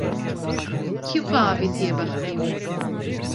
Kî xwe avitiye bextê wî